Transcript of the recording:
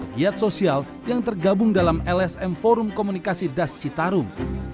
giat sosial yang tergabung dalam lsm forum komunikasi das citarum